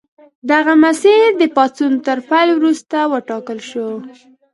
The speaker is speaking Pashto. دغه مسیر د پاڅون تر پیل وروسته وټاکل شو.